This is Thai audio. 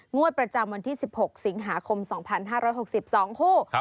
งวดประจำวันที่๑๖สิงหาคม๒๕๖๒คู่